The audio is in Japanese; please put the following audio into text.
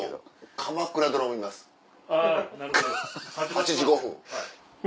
８時５分。